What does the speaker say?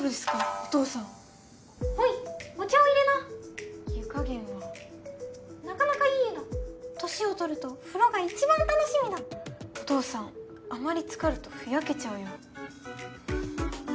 お父さんおいお茶を入れな湯加減はなかなかいい湯だ年を取ると風呂が一番楽しみだお父さんあまりつかるとふやけちゃうよ